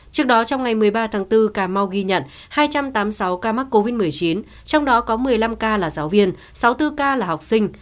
trước đó trong ngày một mươi ba tháng bốn cà mau ghi nhận hai trăm tám mươi sáu ca mắc covid một mươi chín trong đó có một mươi năm ca là giáo viên sáu mươi bốn ca là học sinh